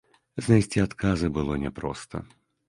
Знайсці адказы было няпроста.